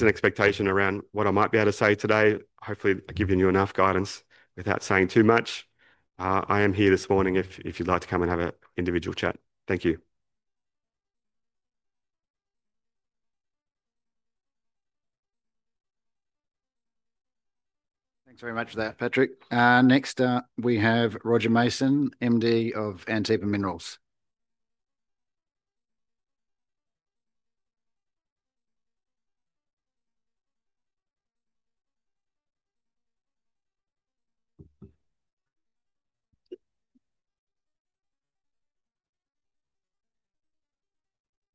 An expectation around what I might be able to say today. Hopefully, I've given you enough guidance without saying too much. I am here this morning if you'd like to come and have an individual chat. Thank you. Thanks very much for that, Patrick. Next, we have Roger Mason, MD of Antipa Minerals.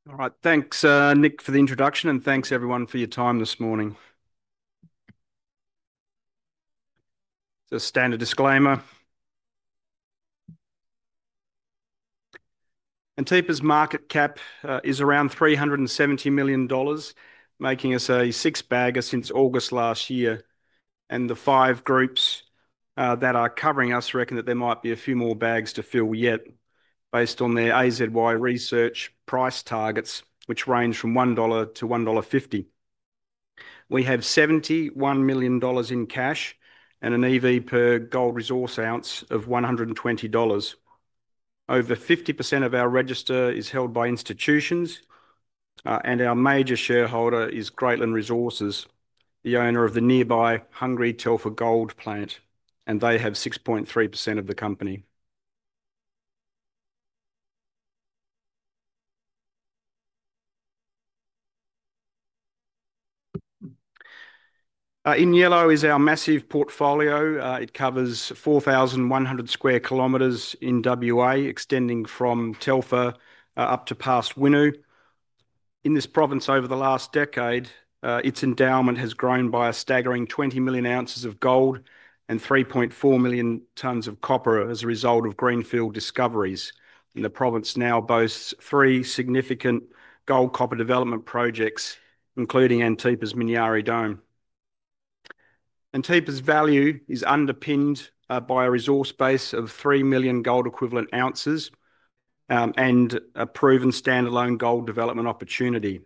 All right, thanks, Nick, for the introduction, and thanks everyone for your time this morning. The standard disclaimer. Antipa's market cap is around $370 million, making us a six-bagger since August last year. The five groups that are covering us reckon that there might be a few more bags to fill yet, based on their AZY research price targets, which range from $1-$1.50. We have $71 million in cash and an EV per gold resource ounce of $120. Over 50% of our register is held by institutions, and our major shareholder is Greatland Resources, the owner of the nearby Telfer Gold Plant, and they have 6.3% of the company. In yellow is our massive portfolio. It covers 4,100 sq km in WA, extending from Telfer up to Paterson. In this province over the last decade, its endowment has grown by a staggering 20 million ounces of gold and 3.4 million tons of copper as a result of greenfield discoveries. The province now boasts three significant gold-copper development projects, including Antipa's Minyari Dome. Antipa's value is underpinned by a resource base of 3 million gold-equivalent ounces and a proven standalone gold development opportunity.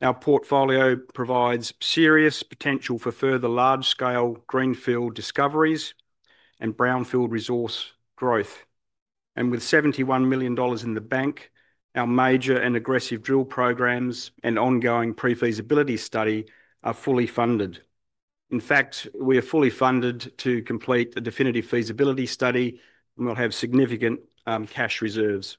Our portfolio provides serious potential for further large-scale greenfield discoveries and brownfield resource growth. With $71 million in the bank, our major and aggressive drill programs and ongoing Pre-Feasibility Study are fully funded. In fact, we are fully funded to complete the Definitive Feasibility Study, and we'll have significant cash reserves.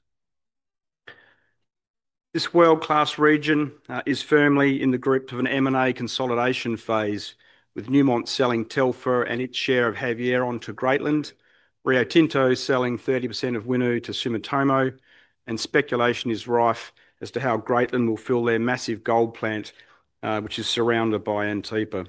This world-class region is firmly in the grip of an M&A consolidation phase, with Newmont selling Telfer and its share of Havieron to Greatland, Rio Tinto selling 30% of Winu to Sumitomo, and speculation is rife as to how Greatland will fill their massive gold plant, which is surrounded by Antipa.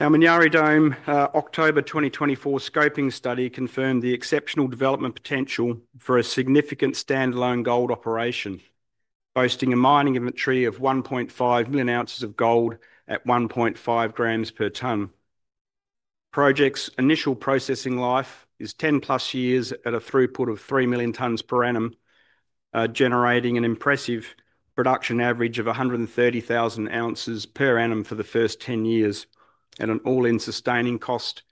Our Minyari Dome October 2024 scoping study confirmed the exceptional development potential for a significant standalone gold operation, boasting a mining inventory of 1.5 million ounces of gold at 1.5 g/t. The project's initial processing life is 10+ years at a throughput of 3 million tons per annum, generating an impressive production average of 130,000 ounces per annum for the first 10 years, and an All-In Sustaining Cost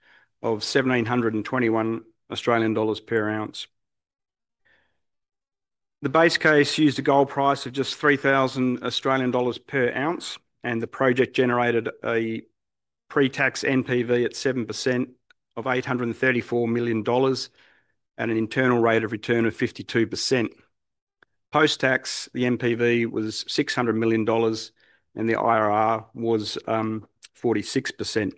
of 1,721 Australian dollars per ounce. The base case used a gold price of just 3,000 Australian dollars per ounce, and the project generated a pre-tax NPV at 7% of $834 million at an Internal Rate of Return of 52%. Post-tax, the NPV was $600 million and the IRR was 46%.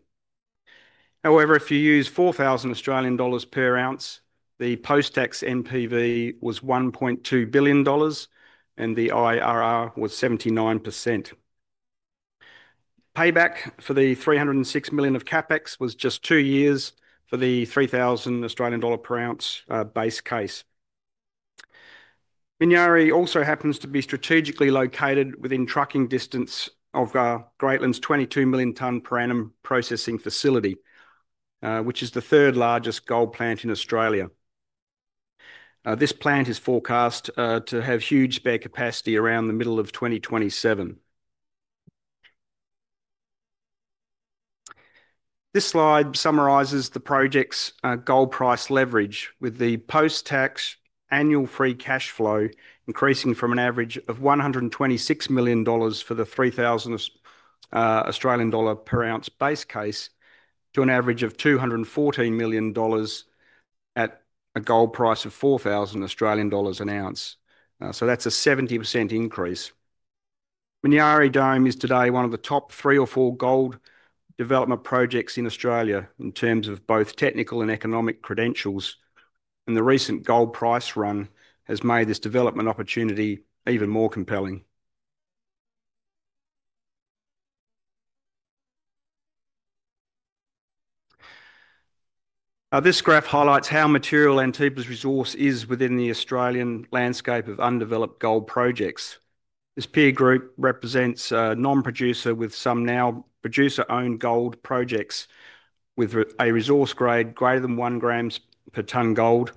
However, if you use 4,000 Australian dollars per ounce, the post-tax NPV was $1.2 billion and the IRR was 79%. Payback for the $306 million of CapEx was just two years for the 3,000 Australian dollar per ounce base case. Minyari also happens to be strategically located within trucking distance of Greatland's 22 million ton per annum processing facility, which is the third largest gold plant in Australia. This plant is forecast to have huge spare capacity around the middle of 2027. This slide summarizes the project's gold price leverage, with the post-tax annual free cash flow increasing from an average of $126 million for the 3,000 Australian dollar per ounce base case to an average of $214 million at a gold price of 4,000 Australian dollars an ounce. That's a 70% increase. Minyari Dome is today one of the top three or four gold development projects in Australia in terms of both technical and economic credentials, and the recent gold price run has made this development opportunity even more compelling. This graph highlights how material Antipa's resource is within the Australian landscape of undeveloped gold projects. This peer group represents a non-producer with some now producer-owned gold projects with a resource grade greater than 1 g/t gold.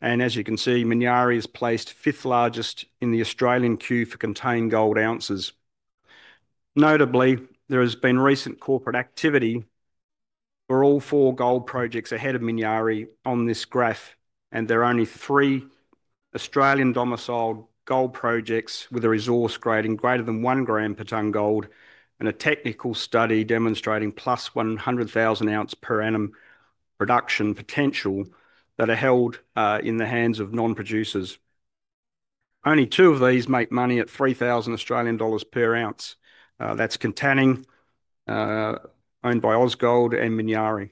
As you can see, Minyari is placed fifth largest in the Australian queue for contained gold ounces. Notably, there has been recent corporate activity for all four gold projects ahead of Minyari on this graph, and there are only three Australian domiciled gold projects with a resource grading greater than 1 g/t gold and a technical study demonstrating +100,000 ounce per annum production potential that are held in the hands of non-producers. Only two of these make money at 3,000 Australian dollars per ounce. That's [Containing], owned by [OSGold], and Minyari.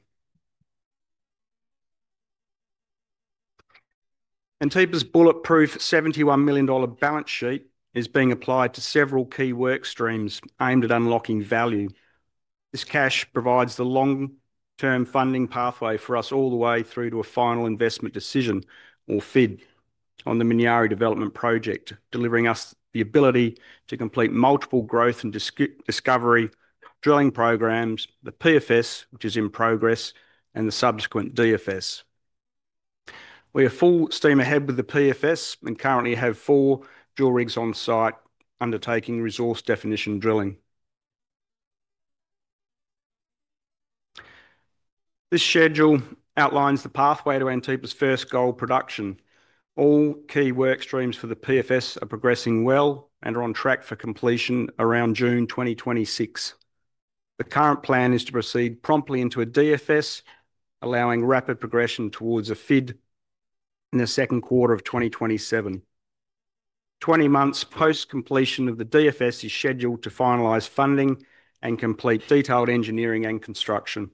Antipa's bulletproof $71 million balance sheet is being applied to several key work streams aimed at unlocking value. This cash provides the long-term funding pathway for us all the way through to a Final Investment Decision, or FID, on the Minyari development project, delivering us the ability to complete multiple growth and discovery drilling programs, the PFS, which is in progress, and the subsequent DFS. We are full steam ahead with the PFS and currently have four drill rigs on site undertaking resource definition drilling. This schedule outlines the pathway to Antipa's first gold production. All key work streams for the PFS are progressing well and are on track for completion around June 2026. The current plan is to proceed promptly into a DFS, allowing rapid progression towards a FID in the second quarter of 2027. 20 months post-completion of the DFS is scheduled to finalize funding and complete detailed engineering and construction,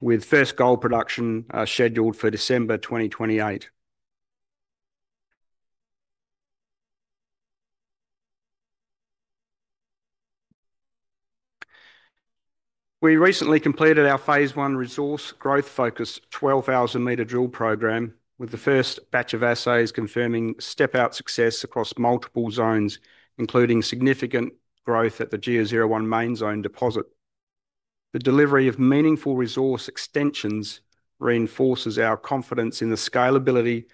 with first gold production scheduled for December 2028. We recently completed our phase I resource growth focus 12,000 m drill program, with the first batch of assays confirming step-out success across multiple zones, including significant growth at the GEO-01 Main Zone deposit. The delivery of meaningful resource extensions reinforces our confidence in the scalability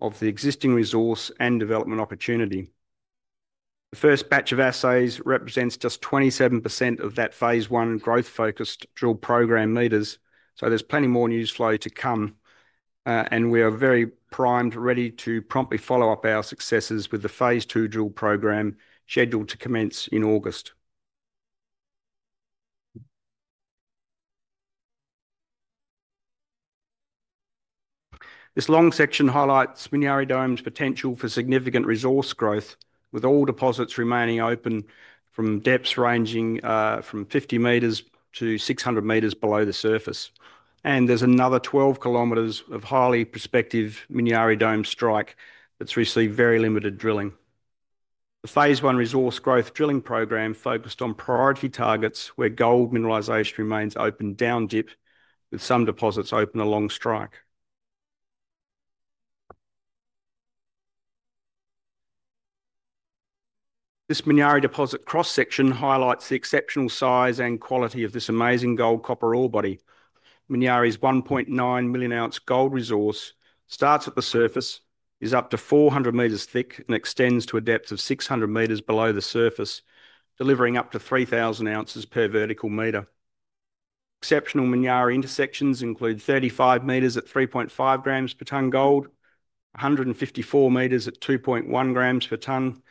of the existing resource and development opportunity. The first batch of assays represents just 27% of that phase I growth-focused drill program, so there's plenty more news flow to come, and we are very primed, ready to promptly follow up our successes with the phase II drill program scheduled to commence in August. This long section highlights Minyari Dome's potential for significant resource growth, with all deposits remaining open from depths ranging from 50 m-600 m below the surface. There is another 12 km of highly prospective Minyari Dome strike that's received very limited drilling. The phase I resource growth drilling program focused on priority targets where gold mineralization remains open down dip, with some deposits open along strike. This Minyari deposit cross-section highlights the exceptional size and quality of this amazing gold-copper ore body. Minyari's 1.9 million ounce gold resource starts at the surface, is up to 400 m thick, and extends to a depth of 600 m below the surface, delivering up to 3,000 ounces per vertical meter. Exceptional Minyari intersections include 35 m at 3.5 g/t gold, 154 m at 2.1 g/t, and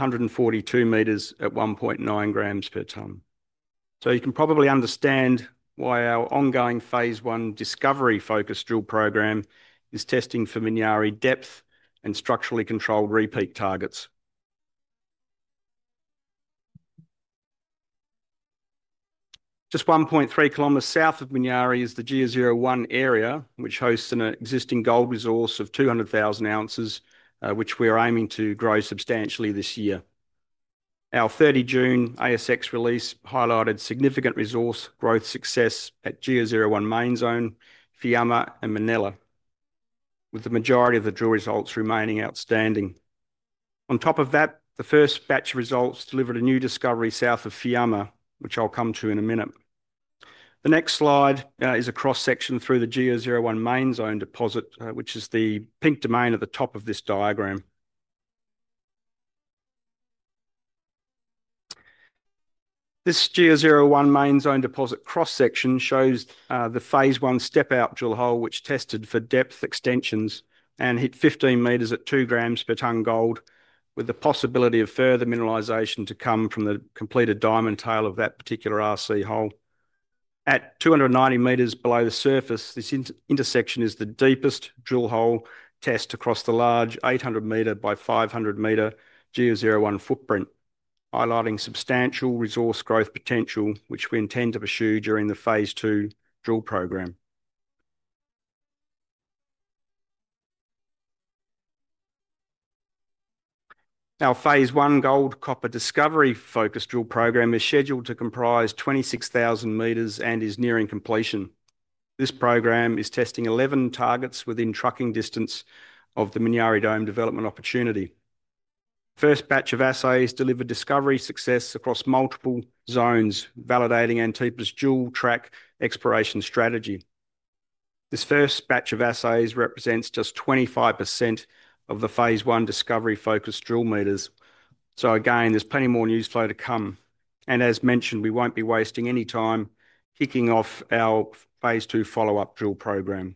142 m at 1.9 g/t. You can probably understand why our ongoing phase I discovery focus drill program is testing for Minyari depth and structurally controlled repeat targets. Just 1.3 m South of Minyari is the GEO-01 area, which hosts an existing gold resource of 200,000 ounces, which we are aiming to grow substantially this year. Our 30 June ASX release highlighted significant resource growth success at GEO-01 Main Zone, Fiama, Minella, with the majority of the drill results remaining outstanding. On top of that, the first batch of results delivered a new discovery South of Fiama, which I'll come to in a minute. The next slide is a cross-section through the GEO-01 Main Zone deposit, which is the pink domain at the top of this diagram. This GEO-01 Main Zone deposit cross-section shows the phase I step-out drill hole, which tested for depth extensions and hit 15 m at 2 g/t gold, with the possibility of further mineralization to come from the completed diamond tail of that particular RC hole. At 290 m below the surface, this intersection is the deepest drill hole test across the large 800 m by 500 m GEO-01 footprint, highlighting substantial resource growth potential, which we intend to pursue during the phase II drill program. Our phase I gold-copper discovery focus drill program is scheduled to comprise 26,000 m and is nearing completion. This program is testing 11 targets within trucking distance of the Minyari Dome development opportunity. The first batch of assays delivered discovery success across multiple zones, validating Antipa's dual track exploration strategy. This first batch of assays represents just 25% of the phase I discovery focus drill meters. There is plenty more news flow to come. As mentioned, we won't be wasting any time kicking off our phase II follow-up drill program.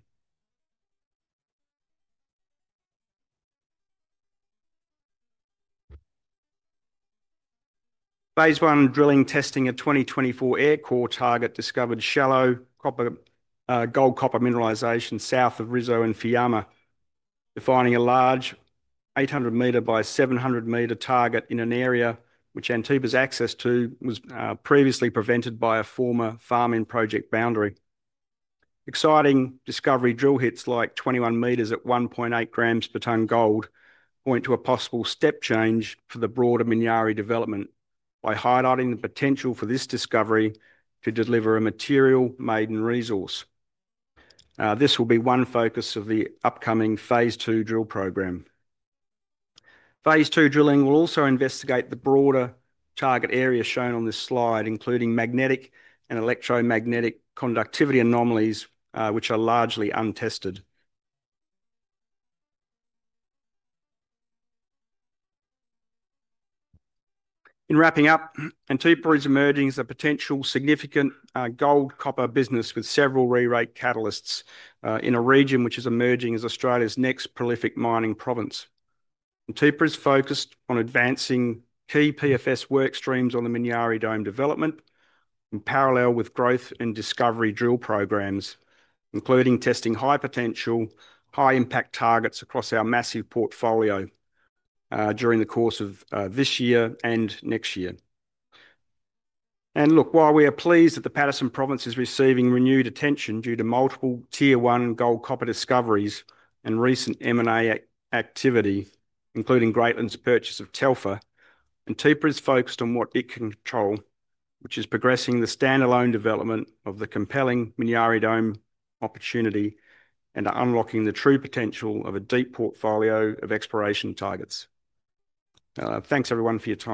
Phase I drilling testing a 2024 air core target discovered shallow gold-copper mineralization South of Rizzo and Fiama, defining a large 800 m by 700 m target in an area which Antipa's access to was previously prevented by a former farming project boundary. Exciting discovery drill hits like 21 m at 1.8 g/t gold point to a possible step change for the broader Minyari development by highlighting the potential for this discovery to deliver a material maiden resource. This will be one focus of the upcoming phase II drill program. Phase II drilling will also investigate the broader target area shown on this slide, including magnetic and electromagnetic conductivity anomalies, which are largely untested. In wrapping up, Antipa is emerging as a potential significant gold-copper business with several rerate catalysts in a region which is emerging as Australia's next prolific mining province. Antipa is focused on advancing key PFS work streams on the Minyari Dome development in parallel with growth and discovery drill programs, including testing high potential, high impact targets across our massive portfolio during the course of this year and next year. While we are pleased that the Paterson Province is receiving renewed attention due to multiple Tier 1 gold-copper discoveries and recent M&A activity, including Greatland's purchase of the Telfer, Antipa is focused on what it can control, which is progressing the standalone development of the compelling Minyari Dome opportunity and unlocking the true potential of a deep portfolio of exploration targets. Thanks everyone for your time.